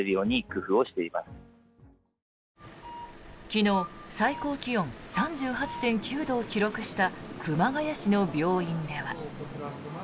昨日、最高気温３８．９度を記録した熊谷市の病院では。